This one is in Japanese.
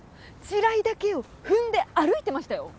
地雷だけを踏んで歩いてましたよ。